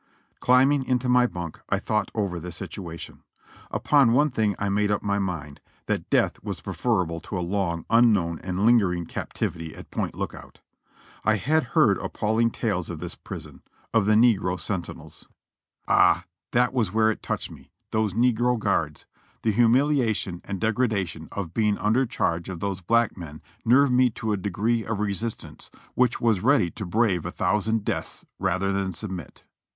Climbing into my bunk I thought over the situation. Upon one thing I made up my mind, that death was preferable to a long, unknown and lingering captivity at Point Lookout. I had heard appalling tales of this prison, of the negro sentinels. Ah ! THE FIRST ESCAPE 46 1 that was where it touched me, those negro guards. The humilia tion and degradation of being under charge of those black men nerved me to a degree of resistance which was ready to brave a thousand deaths rather than submit.